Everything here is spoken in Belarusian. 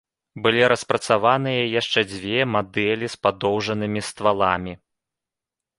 Былі распрацаваныя яшчэ дзве мадэлі з падоўжанымі стваламі.